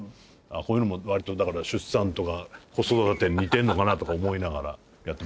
こういうのも出産とか子育てに似てるのかな？とか思いながらやってますけど。